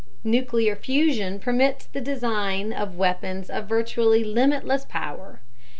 Nuclear fusion permits the design of weapons of virtually limitless power.